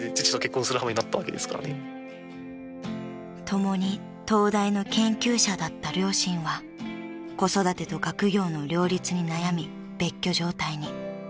［共に東大の研究者だった両親は子育てと学業の両立に悩み別居状態に］